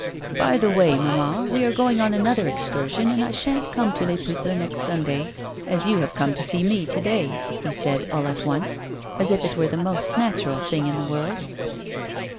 " By the way, mamma, we are going on another excursion and I sha'n't come to Les Peuples next Sunday, as you have come to see me to day," he said, all at once, as if it were the most natural thing in the world.